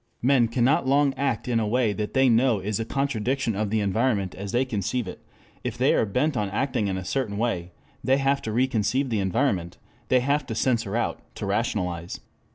Men cannot long act in a way that they know is a contradiction of the environment as they conceive it. If they are bent on acting in a certain way they have to reconceive the environment, they have to censor out, to rationalize.